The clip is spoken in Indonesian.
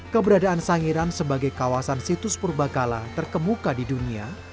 keberadaan sangiran sebagai kawasan situs purba kala terkemuka di dunia